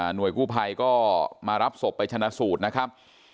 กู้ภัยก็มารับศพไปชนะสูตรนะครับ